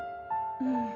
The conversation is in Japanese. うん。